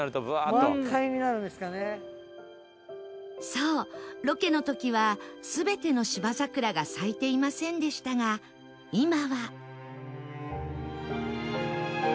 そうロケの時は全ての芝桜が咲いていませんでしたが今は